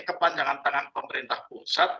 kepanjangan tangan pemerintah pusat